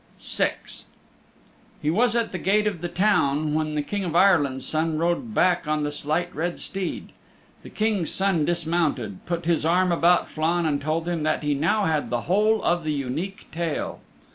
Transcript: VI He was at the gate of the town when the King of Ireland's Son rode back on the Slight Red Steed. The King's Son dismounted, put his arm about Flann and told him that he now had the whole of the Unique Tale.